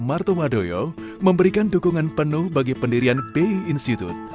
dan bapak marto madoyo memberikan dukungan penuh bagi pendirian b i institute